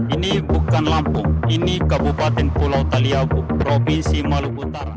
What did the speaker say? ini bukan lampung ini kabupaten pulau taliabu provinsi malukutara